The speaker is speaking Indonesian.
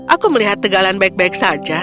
aku melihat tegalan baik baik saja